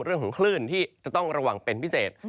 เรื่องของคลื่นที่จะต้องระวังเป็นพิเศษ